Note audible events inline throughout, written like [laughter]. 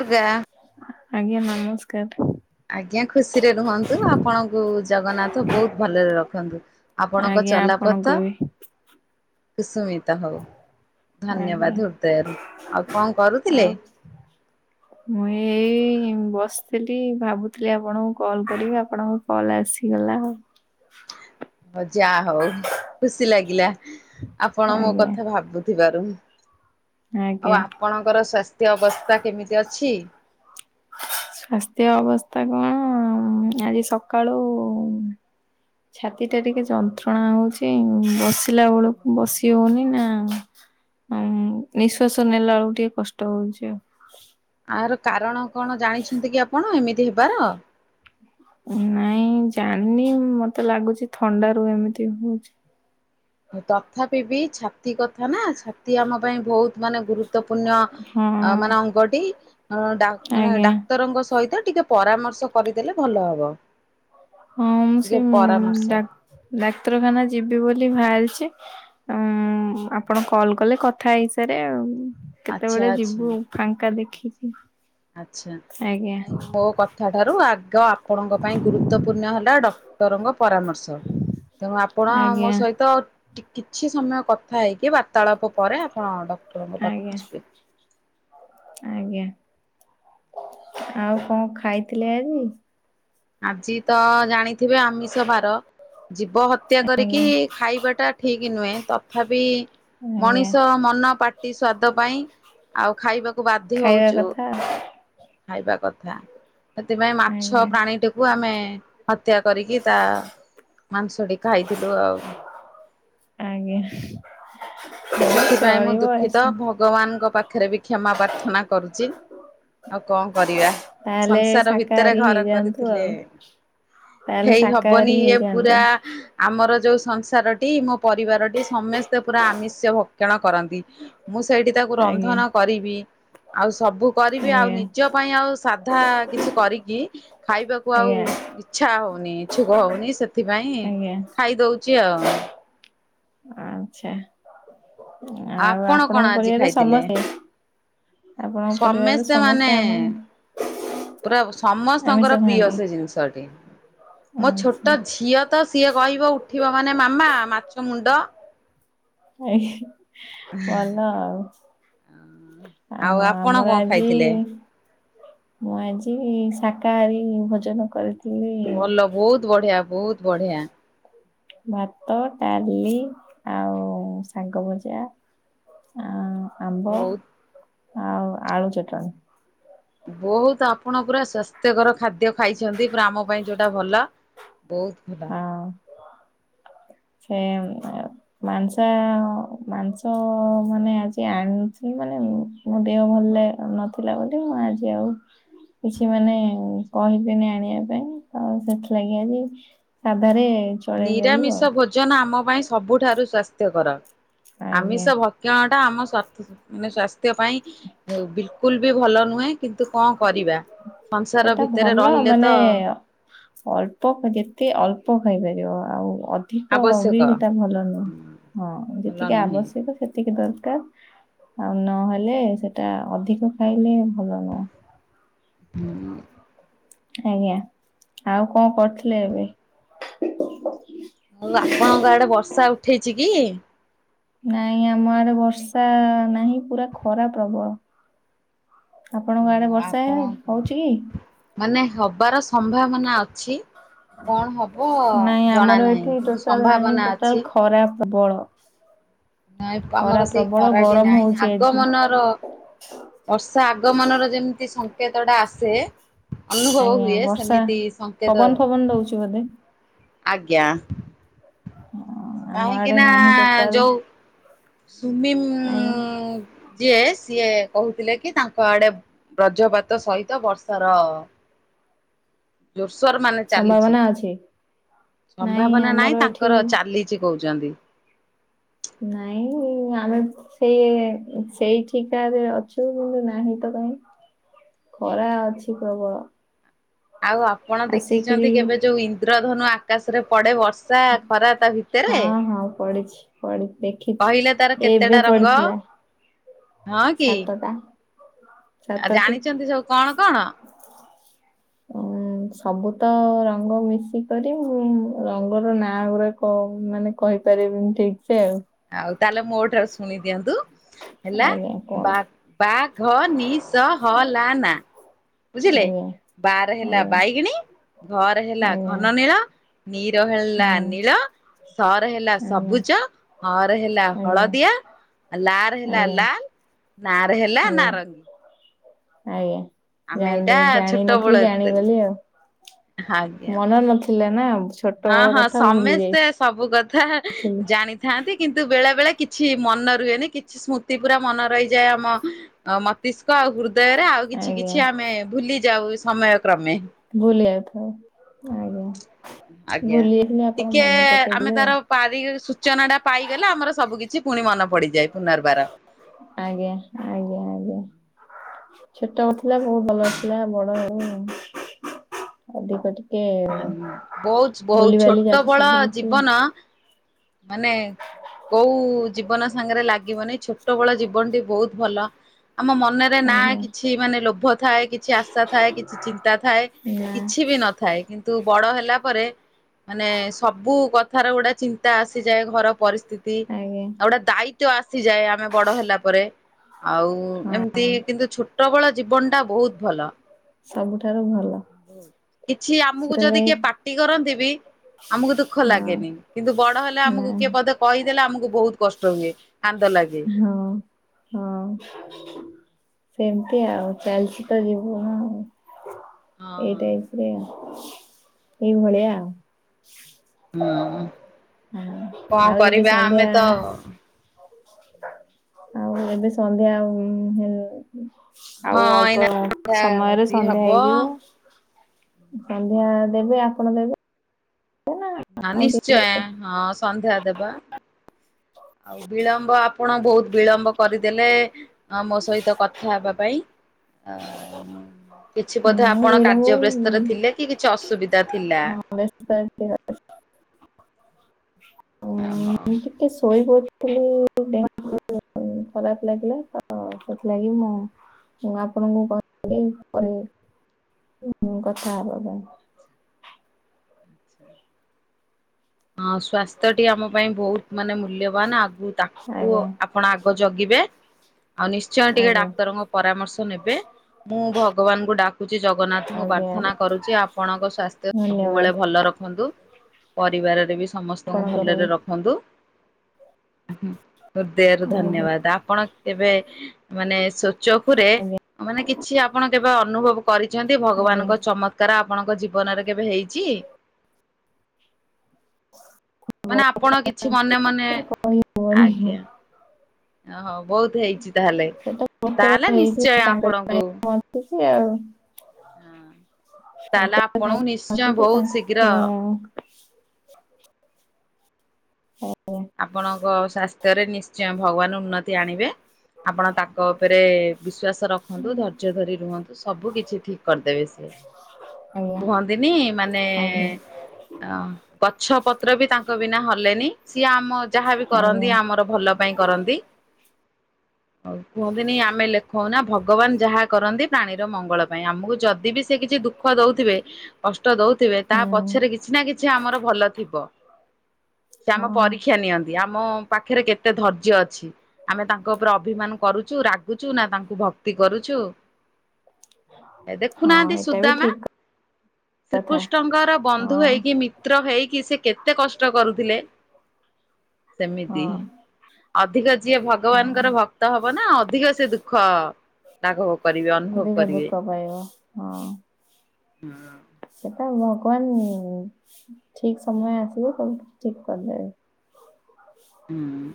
ତୁ ଯା। ଆଜ୍ଞା ନମସ୍କାର୍। ଆଜ୍ଞା ଖୁସିରେ ରୁହନ୍ତୁ, ଆପଣଙ୍କୁ ଜଗନ୍ନାଥ ବହୁତ୍ ଭଲରେ ରଖନ୍ତୁ। ଆପଣଙ୍କ ଆଜ୍ଞା ଚଲାପଥ ଆପଣଙ୍କୁ ବି କୁସୁୁମିତ ହଉ ଆଜ୍ଞା। ଧନ୍ୟବାଦ୍ ହୃଦୟରୁ, ଆଉ କଣ କରୁଥିଲେ? ଆଉ ମୁଁ ଏଇ ବସିଥିଲି ଭାବୁଥିଲି ଆପଣଙ୍କୁ କଲ୍ କରିବି ଆପଣଙ୍କ କଲ୍ ଆସିଗଲା ଆଉ। ହ ଯାହଉ ଖୁସି ଲାଗିଲା ଆପଣ ମୋ ଆଜ୍ଞା କଥା ଭାବୁ ଥିବାରୁ ଆଉ ଆଜ୍ଞା। ଆପଣଙ୍କର ସ୍ୱାସ୍ଥ୍ୟ ଅବସ୍ଥା କେମିତି ଅଛି? ସ୍ୱାସ୍ଥ୍ୟ ଅବସ୍ଥା କଣ ଆଜି ସକାଳୁ ଛାତିଟା ଟିକେ ଯନ୍ତ୍ରଣା ହଉଚି, ବସିଲା ବେଳୁକୁ ବସି ହଉନି ନା [unintelligible] ନିଃଶ୍ଵାସ ନେଲା ବେଳୁକୁ ଟିକେ କଷ୍ଟ ହଉଚି ଆଉ। ଆର କାରଣ କଣ ଜାଣିଛନ୍ତି କି ଆପଣ ଏମିତି ହେବାର? ନାଇଁ ଜାଣିନି, ମତେ ଲାଗୁଛି ଥଣ୍ଡାରୁ ଏମିତି ହଉଛି। ତଥାପି ବି ଛାତି କଥା ନା, ଛାତି ଆମ ପାଇଁ ବହୁତ୍ ମାନେ ଗୁରୁତ୍ୱପୂର୍ଣ୍ଣ ହଁ ଅ ମାନେ ଅଙ୍ଗଟି [unintelligible] ଡ଼ା ମାନେ ଆଜ୍ଞା। ଡାକ୍ତରଙ୍କ ସହିତ ଟିକେ ପରାମର୍ଶ କରିଦେଲେ ଭଲ ହବ। ହଁ ମୁଁ ଟିକେ ସେ ପରାମର୍ଶ ଡାକ୍ ଡାକ୍ତରଖାନା ଯିବି ବୋଲି ଭାରିଚି। ଉଁ ଆପଣ କଲ କଲେ କଥା ହେଇସାରେ ଆଉ ଆଚ୍ଛା କେତେବେଳେ ଆଚ୍ଛା ଯିବୁ ଫାଙ୍କା ଦେଖିକି। ଆଚ୍ଛା ଆଜ୍ଞା ନାଇଁ ମୋ କଥାଠାରୁ ଆଗ ଆପଣଙ୍କ ପାଇଁ ଗୁରୁ ତ୍ୱପୂର୍ଣ୍ଣ ହେଲା ଡାକ୍ତରଙ୍କ ପରାମର୍ଶ ତେଣୁ ଆପଣ ମୋ ଆଜ୍ଞା। ସହିତ ଟି କିଛି ସମୟ କଥା ହେଇକି ବାର୍ତ୍ତାଳାପ ପରେ ଆପଣ ଡକ୍ଟରଙ୍କ ଆଜ୍ଞା ପାଖକୁ ଯିବେ। ଆଜ୍ଞା ଆଉ କଣ ଖାଇଥିଲେ ଆଜି? ଆଜି ତ ଜାଣି ଥିବେ ଆମିଷ ବାର ଜୀବ ହତ୍ୟା କରିକି ଆଜ୍ଞା ଖାଇବାଟା ଠିକ୍ କି ନୁହେଁ ତଥାପି ଆଜ୍ଞା। ମଣିଷ ମନ, ପାଟି, ସ୍ଵାଦ ପାଇଁ ଆଉ ଖାଇବାକୁ କୁ ବାଧ୍ୟ ଖାଇବା ହଉଛୁ। କଥା ଖାଇବା କଥା ସେଥିପାଇଁ ମାଛ ଆଜ୍ଞା ପ୍ରାଣୀଟିକୁ ଆମେ ହତ୍ୟା କରିକି ତା ମାଂସଟି ଖାଇଥିଲୁ ଆଉ। ଆଜ୍ଞା ସେଥିପାଇଁ ମୁଁ ଚଳିବ ଦୁଃଖିତ ଏସ ଭଗବାନଙ୍କ ପାଖରେ ବି କ୍ଷମା ପ୍ରାର୍ଥନା କରୁଛି। ଆଉ କଣ କରିବା ତାହେଲେ ସଂସାର ଭିତରେ ଶାକାହାରୀ ଘର ହେଇଯାଆନ୍ତୁ କରିଥିଲେ ଆଉ ତାହେଲେ ହେଇ ହବନି ଶାକାହାରୀ ଇଏ ହେଇଯାଆନ୍ତୁ ପୁରା ଆମର ଯୋଉ ସଂସାରଟି ମୋ ପରିବାରଟି ସମସ୍ତେ ପୁରା ଆମିଷ ଭକ୍ଷଣ କରନ୍ତି। ମୁଁ ସେଇଠି ତାକୁ ଆଜ୍ଞା। ରନ୍ଧନ କରିବି। ଆଉ ସବୁ କରିବି ଆଉ ଆଜ୍ଞା ନିଜ ପାଇଁ ଆଉ ସାଧା କିଛି କରିକି ଖାଇବାକୁ ଆଉ ଆଜ୍ଞା ଇଚ୍ଛା ହଉନି ଇଚ୍ଛୁକ ହଉନି ସେଥିପାଇଁ ଆଜ୍ଞା ଖାଇ ଦଉ ଚି ଅ ଆଚ୍ଛା ଆଉ ଆପଣ କଣ ଆପଣଙ୍କ ଆଜି ପରିବାରରେ ଖାଇଥିଲେ? ସମସ୍ତେ ଆପଣଙ୍କ ପରିବାରରେ ସମସ୍ତେ ମାନେ ସମସ୍ତେ ଆମୀ ପୁରା ସମସ୍ତଙ୍କର ପ୍ରିୟ ସେ ଜିନିଷଟି। ମୋ ଆଚ୍ଛା ଛୋଟ ଝିଅ ତ ସିଏ କହିବ ଉଠିବ ମାନେ ମାମା ମାଛ ମୁଣ୍ଡ ହାଏ ଭଲ ଆଉ ହ ଆଉ ଓହୋ ଆପଣ ଆମର କଣ ଆଜି ଖାଇଥିଲେ? ମୁଁ ଆଜି ଶାକାହାରୀ ଭୋଜନ କରିଥି ଭଲ ବହୁତ ବଢିଆ ବହୁତ ବଢିଆ। ଭାତ, ଡାଲି ଆଉ ଶାଗ ଭଜା ଆ ଆମ୍ବ ବହୁତ ଆଉ ଆଳୁ ଚଟଣୀ। ବହୁତ ଆପଣ ପୁରା ସ୍ଵାସ୍ଥ୍ୟକର ଖାଦ୍ୟ ଖାଇଛନ୍ତି ପୁରା ଆମ ପାଇଁ ଯୋଉଟା ଭଲ। ବହୁତ ଭଲ। ସେମ୍ ମାଂସା ମାଂସ ମାନେ ଆଜି ଆଣନଥିଲି ମାନେ ମୁଁ ମୋ ଦେହ ଭଲ ନଥିଲା ବୋଲି ମୁଁ ଆଜି ଆଉ କିଛି ମାନେ କହିିଲିନି ଆଣିବା ପାଇଁ ଆଉ ସେଥିଲାଗି ଆଜି ସାଧାରେ ଚଳେଇଦେଲୁ ଆଉ ନିରାମିଷ ଭୋଜନ ଆମ ପାଇଁ ସବୁଠାରୁ ସ୍ୱାସ୍ଥ୍ୟକର ଆଜ୍ଞା ଆମିଷ ଭ ଭକ୍ଷଣ ଟା ଆମ ସଥ ମାନେ ସ୍ଵାସ୍ଥ୍ୟ ପାଇଁ ବିଲକୁଲ୍ ବି ଭଲ ନୁହେଁ। କିନ୍ତୁ କଣ କରିବା ସଂସାର ସେଟା ଭିତରେ ଭଲ ରହିଲେ ମାନେ ତ ଅଳ୍ପ କେତେତେ ଅଳ୍ପ ଖାଇପାରିବ ଆଉ ଅଧି ଅଧିକ ବି ଆବଶ୍ୟକ ଟା ଭଲ ନୁହଁ ହଁ ଭଲ ଯେତିକି ନୁହେଁ। ଆବଶ୍ୟକ ସେତ୍ ସେତିକି ଦରକାର ଆଉ ନହେଲେ ସେଟା ଅଧିକ ଖାଇଲେ ଭଲ ନୁହଁ। ହୁଁ ଆଜ୍ଞା, ଆଉ କଣ କରୁଥିଲେ ଏବେ? ମୁଁ ଆପଣଙ୍କ ଆଡେ ବର୍ଷା ଉଠେଇଛି କି? ନାଇଁ ଆମ ଆଡେ ବର୍ଷା ନାହିଁ ପୁରା ଖରା ପ୍ରବଳ। ଆପଣଙ୍କ ଓହୋ ଆଡେ ବର୍ଷା ଆପଣ ହଉଛି କି? ମାନେ ହବାର ସମ୍ଭାବନା ଅଛି। କଣ ହବ ନାଇଁ ଜଣା ଆମର ନାହିଁ ଏଠି କିନ୍ତୁ ଟୋଟାଲ ନାହିଁ ସମ୍ଭାବନା ଟୋଟାଲ ଅଛି। ଖରା ପ୍ରବଳ। ନାଇଁପ୍ ଆମର ଖରା ସେଇ ପ୍ରବଳ ଖରାଟି ଗରମ ନାହିଁ, ହଉଛି ଆଗ ଆଜି ମନର ବର୍ଷା ଆଗମନର ଯେମିତି ସଂଙ୍କେତ ଟା ଆସେ ଅନୁଭବ ଆଜ୍ଞା ହୁଏ ବର୍ଷା ସେମିତି ସଂକେତ, ପବନ ଫବନ ଦଉଛି ବୋଧେ ଆଜ୍ଞା। ଆମ କାହିଁକି ଆଡେ ନା ନାହିଁ ଟୋଟାଲ ଯୋଉ ସୁମିମ୍ ଆଜ୍ଞା। ଯିଏ ସିଏ କହୁଥିଲେ କି ତାଙ୍କ ଆଡେ ବ୍ରଜପାତ ସହିତ ବର୍ଷାର ଜୋର୍ ସୋର୍ ମାନେ ଚାଲିଚି, ସମ୍ଭାବନା ଅଛି ନାଇଁ ସମ୍ଭାବନା ନାହିଁ ଆମର ଏଠି ତାଙ୍କର ଚାଲି ଚି କହୁଛନ୍ତି। ନାଇଁ। ଆମେ ସେ ସେଇ ଠିକାରେ ଅଛୁ ନାହିଁ ତ କାହିଁ ଖରା ଅଛି ପ୍ରବଳ। ଆଉ ଆପଣ ଆସିକିରି ଦେଖିଚନ୍ତି କେବେ ଯୋଉ ଇନ୍ଦ୍ରଧନୁ ଆକାଶରେ ପଡେ ବଷ୍ ରା ଖରା ତା ଭିତେରେ, ହଁ ହଁ ପଡିଛି ପଡି ଦେଖିଛି କହିଲେ ତାର ଏବେ କେତେଟା ରଙ୍ଗ? ପଡିଥିଲା ହଁ କି? ସାତଟା। ଆଉ ସାତଟି। ଜାଣିଚନ୍ତି ସବୁ କଣ କଣ? ଉଁ, ସବୁ ତ ରଙ୍ଗ ମିଶିକରି ଉଁ ରଙ୍ଗର ନାଁ ଗୁଡାକ ମାନେ କହିପାରିବିନି ଠିକ୍ ସେ ଆଉ ଆଉ ତାହେଲେ ମୋଠାରୁ ଶୁଣି ଦିଅନ୍ତୁ, ହେଲା ଆଜ୍ଞା କୁହନ୍ତୁ ବାଘ୍ ବାଘ ନିଶ ହଲାନା। ଆଜ୍ଞା। ବା ରେ ହେଲା ଆଜ୍ଞା ବାଇଗିଣୀ। ଘ ରେ ହେଲା ଆଜ୍ଞା ଘନ ନୀଳ, ନୀ ର ହେଲା ହୁଁ ନୀଳ। ସ ରେ ହେଲା ଆଜ୍ଞା ସବୁଜ। ହ ରେ ହେଲା ଆଜ୍ଞା ହଳଦିଆ, ଆ ଲା ରେ ହେଲା ଆଜ୍ଞା ଲାଲ। ନା ରେ ହେଲା ଆଜ୍ଞା ନାରଙ୍ଗୀ। ଆଜ୍ଞା। ଆମେ ଏଇଟା ଜାଣିଦେବି ଛୋଟ ବେଳ ଜାଣିନଥିଲି ଜାଣିଗଲି ଆଉ, ଆଜ୍ଞା ମନ ନଥିଲା ନା। ହଁ ଛୋଟବେଳ ହଁ, କଥା ଭୁଲି ସମେସ୍ତେ ସବୁ କଥା ଯାଇଥିଲି ଜାଣି ଥାନ୍ତି କିନ୍ତୁ ବେଳେ ବେଳେ କିଛି ମନ ରୁହେନି କିଛି ସ୍ମୃତି ପୁରା ମନ ରହିଯାଏ ଆମ ଅ ମସ୍ତିଷ୍କ ଆଉ ହୃଦୟରେ ଆଉ କିଛି ଆଜ୍ଞା କିଛି ଆମେ ଭୁଲି ଯାଉ ଏ ସମୟ କ୍ରମେ ଭୁଲି ଯାଇଥାଉ, ଆଜ୍ଞା ଭୁଲି ଯାଇଥିଲି ଆପଣ ମନେ ପକେଇଦେଲେ ଆଉ ପାରିଗ ସୂଚନା ଟା ପାଇଗଲେ ଆମର ସବୁ କିଛି ପୁଣି ମନ ପଡିଯାଏ ପୁନର୍ବାର। ଆଜ୍ଞା, ଆଜ୍ଞା, ଆଜ୍ଞା। ଛୋଟ ଥିଲା ବହୁତ ଭଲଥିଲା ବଡ ହେଲି, ଅଧିକ ଟି ଆଜ୍ଞା, ବହୁତ୍ ବହୁତ୍ ଯାଉଛି ଛୋଟବଳ ସବୁ କିଛି ଜୀବନ ମାନେ କୋଉ ଜୀବନ ସାଙ୍ଗରେ ଲାଗିବନି, ଛୋଟ ବେଳ ଜୀବନଟି ବହୁତ ଭଲ, ଆମ ମନ ମନରେ ନା ଆଜ୍ଞା କିଛି ମାନେ ଲୋଭ ଥାଏ, କିଛି ଆଶା ଥାଏ, କିଛି ଚିନ୍ତା ଥାଏ, ନା କିଛି ବି ନ ଥାଏ କି ତୁ ବଡ ହେଲା ପରେ ମାନେ ସବୁ କଥାର ଗୁଡା ଚିନ୍ତା ଆସିଯାଏ ଘର ପରିସ୍ଥି ତି ଆଜ୍ଞା ଆଉ ଗୋଟେ ଦାୟିତ୍ଵ ଆସିଯାଏ, ଆମେ ବଡ ହେଲା ପରେ ଆଉ ଏମିତି ହଁ କିନ୍ତୁ ଛୋଟବେଳ ଜୀବନ ଟା ବହୁତ ଭଲ। ସବୁଠାରୁ ଭଲ। କିଛି ଆମକୁ ଯଦି ସେଥିଲାଗି କିଏ ପାଟି କରନ୍ତି ବି ଆମକୁ ଦୁଃଖ ହଁ ଲାଗେନି କିନ୍ତୁ ବଡ ହେଲେ ନା ଆମକୁ କିଏ ପଦେ କହିଦେଲେ ଆମକୁ ବହୁତ କଷ୍ଟ ହୁଏ। କାନ୍ଦ ଲାଗେ। ହଁ ହଁ। ସେମିତି ଆଉ ଚାଲିଛି ତ ଜୀବନ ଆଉ ଏଇ ହଁ। ଟାଇପରେ ଏଇ ଭଳିଆ ଆଉ ହଁ ହଁ କଣ ଆଉ ଏବେ କରିବା ଆମେ ସନ୍ଧ୍ୟା ତ ଆଉ ଏବେ ସନ୍ଧ୍ୟା ହୁ ହେ ହଁ ଆଉ ଅଳ୍ପ ଏଇନା ସନ୍ଧ୍ୟା ସମୟରେ ଆଳତି ସନ୍ଧ୍ୟା ହବ ହେଇଯିବ। ସନ୍ଧ୍ୟା ଦେବେ ଆପଣ ଦେବେ ହଁ ଆଉ ନିଶ୍ଚୟ ହଁ ସନ୍ଧ୍ୟା ଦେବା ଆଉ ବିଳମ୍ବ ଆପଣ ବହୁତ ବିଳମ୍ବ କରିଦେଲେ ଆ ମୋ ସହିତ କଥା ହେବା ପାଇଁ ଆ ମୋ କିଛି ବୋଧେ ଆପଣ ବିଳମ୍ବ କାର୍ଯ୍ୟ ବ୍ୟସ୍ତରେ ଥିଲେ କି କିଛି ଅସୁବିଧା ଥିଲା। ହଁ ବ୍ୟସ୍ତରେ ଥିଲି ଅ ଓହୋ। ମୁଁ ଟିକେ ଶୋଇପଡ଼ିଥିଲି ଦେହ ଖରାପ ଲାଗିଲା ତ ସେଥିଲାଗି ମୁଁ ମୁଁ ଆପଣଙ୍କୁ [unintelligible] କଥା ହବା ପାଇଁ ହଁ ସ୍ଵାସ୍ଥ୍ୟଟି ଆମ ପାଇଁ ବହୁତ ମାନେ ମୂଲ୍ୟବାନ ଆଗୁ ପାଇଁ ତାକୁ ଆ ଆଜ୍ଞା ଆପଣ ଆଗ ଜଗିବେ ଆଉ ନିଶ୍ଚୟ ଟିକେ ଆଜ୍ଞା ଡାକ୍ତରଙ୍କ ପରାମର୍ଶ ନେବେ। ମୁଁ ଭଗବାନଙ୍କୁ ଡାକୁଛି ଜଗନ୍ନାଥଙ୍କୁ ଆଜ୍ଞା ପ୍ରାର୍ଥନା ଆଜ୍ଞା କରୁଛି, ଆପଣଙ୍କ ସ୍ବାସ୍ଥ୍ୟ ଧନ୍ୟବାଦ ସବୁବେଳେ ଭଲ ରଖନ୍ତୁ। ପରିବାରରେ ବି ସମସ୍ତଙ୍କୁ ଆପଣଙ୍କର ବି। ଭଲରେ ରଖନ୍ତୁ, ହୁଁ। ହୃଦୟରୁ ଆଜ୍ଞା ଧନ୍ୟବାଦ, ଆପଣ କେବେ ମାନେ ସ୍ଵଚକ୍ଷୁରେ ଆଜ୍ଞା ମାନେ କିଛି ଆପଣ କେବେ ଅନୁଭବ- କରିଛନ୍ତି ଆଜ୍ଞା ଭଗବାନଙ୍କ ଚମତ୍କାର ଆପଣଙ୍କ ଜୀବନରେ କେବେ ହେଇଛି? ମାନେ ଆପଣ କିଛି ମନେ ମନେ, କହିହବନି ଆଜ୍ଞା ଓ ହଉ ବହୁତ ହେଇଛି ତାହେଲେ, ସେଟା ତାହେଲେ ନିଶ୍ଚୟ ଆପଣଙ୍କୁ ତିକି ଆଉ ତାହେଲେ ଆପଣଙ୍କୁ ନିଶ୍ଚୟ ବହୁତ ଶୀଘ୍ର [unintelligible] ହୁଁ। ଆପଣଙ୍କ ସ୍ଵାସ୍ଥ୍ୟରେ ନିଶ୍ଚୟ ଭଗବାନ ଉନ୍ନତି ଆଣିବେ, ଆପଣ ତାଙ୍କ ଉପରେ ବିଶ୍ୱାସ ରଖନ୍ତୁ, ଧୈର୍ଯ୍ୟ ଧରି ରୁହନ୍ତୁ ସବୁ କିଛି ଠିକ୍ କରିଦେବେ ସିଏ ଆଜ୍ଞା କୁହନ୍ତିନି ମାନେ ଆଜ୍ଞା ଅ ଗଛ ପତ୍ର ବି ତାଙ୍କ ବିନା ହଲେନି ସିଏ ଆମ ଯାହାବି ଆଜ୍ଞା କରନ୍ତି ଆମର ଭଲ ପାଇଁ କରନ୍ତି। ହଉ କୁହନ୍ତିନି ଆମେ ଲେଖଉ ନା ଭ ଭଗବାନ ଯାହା କରନ୍ତି, ପ୍ରାଣୀର ମଙ୍ଗଳ ପାଇଁ ଆମକୁ ଯଦି ବି ସେ କିଛି ଦୁଃଖ ଦଉଥିବେ କଷ୍ଟ ଦଉଥିବେ ତା ପଛରେ ହୁଁ କିଛି ନା କିଛି ଆମର ଭଲ ଥିବ ସେ ଆମ ହଁ ପରୀକ୍ଷା ନିଅନ୍ତି ଆମ ପାଖରେ କେତେ ଧୈର୍ଯ୍ୟ ଅଛି। ଆମେ ତାଙ୍କ ଉପରେ ଅଭିମାନ କରୁଛୁ ରାଗୁଛୁ ନା ତାଙ୍କୁ ଭକ୍ତି କରୁଛୁ ଏ ହଁ ଦେଖୁନାହାନ୍ତି ଏଇଟା ବି ସୁଦାମା ଠିକ କଥା ଶ୍ରୀକୃଷ୍ଣଙ୍କର ହଁ ବନ୍ଧୁ ହେଇକି ବି ପୁତ୍ର ହେଇକି ସେ କେତେ କଷ୍ଟ କରୁଥିଲେ? ହଁ ସେମିତି ଅଧିକ ଯିଏ ଭଗବାନଙ୍କର ହଁ। ଭକ୍ତ ହବ ନା ଅଧିକ ସେ ଦୁଃଖ ତାଙ୍କୁ କରିବେ ଅନୁଭବ କରିବେ। ହ ଭ [unintelligible] ହଁ ହୁଁ ସେଟା ଭଗବାନ ଠିକ ସମୟ ଆସିବ ସବୁ ଠିକ କରିଦେବେ। ହୁଁ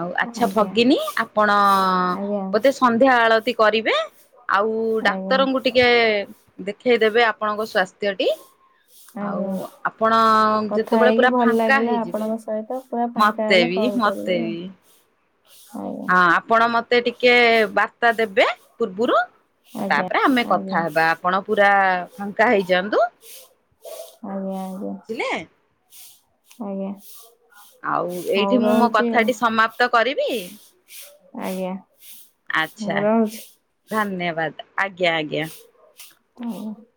ଆଉ ଆଚ୍ଛା ଆଜ୍ଞା ଭଗିନୀ ଆପଣ ଆଜ୍ଞା ବୋଧେ ଶ ସନ୍ଧ୍ୟା ଆଳତି କରିବେ ଆଉ ଆଜ୍ଞା ଡାକ୍ତରଙ୍କୁ ଟିକେ ଦେଖେଇଦେବେ ଆପଣଙ୍କ ସ୍ୱା ଦଟି ଆଜ୍ଞା। ଆଉ ଆପଣ କଥା ଯେତେବେଳେ ହେଇକି ପୁରା ଭଲ ଫାଙ୍କା ଲାଗିଲା ହେଇଯିବେ ଆପଣଙ୍କ ସହିତ ପୁରା ଫାଙ୍କା ମତେ ହେଲେ ବି କଲ୍ ମତେ କରିବି। ବି ଆଉ ହୋଉ ହଁ ଆପଣ ମତେ ଟିକେ ବାର୍ତ୍ତା ଦେବେ ପୂର୍ବୁରୁ। ଆଜ୍ଞା ତାପରେ ଆମେ ଆଜ୍ଞା କଥା ହେବା ଆପଣ ପୁରା ଫାଙ୍କା ହେଇଯାଆନ୍ତୁ। ଆଜ୍ଞା ଆଜ୍ଞା ବୁଝିଲେ ଆଜ୍ଞା ଆଉ ଏଇଠି ହଉ ମୁଁ ମୋ ରହୁଛି ଆଉ। କଥାଟି ସମାପ୍ତ କରିବି? ଆଜ୍ଞା ଆଚ୍ଛା ମୁଁ ରହୁଛି। ଧନ୍ୟବାଦ ଆଜ୍ଞା ଆଜ୍ଞା। ହ [unintelligible]